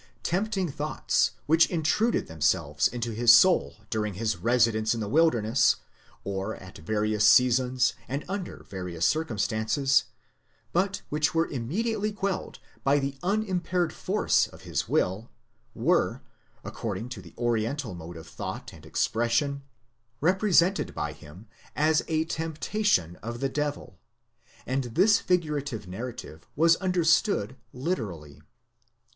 Tempt ing thoughts, which intruded themselves into his soul during his residence in the wilderness, or at various seasons, and under various circumstances, but which were immediately quelled by the unimpaired force of his will, were, according to the oriental mode of thought and expression, represented by him as a temptation of the devil; and this figurative narrative was understood literally.